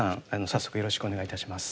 早速よろしくお願いいたします。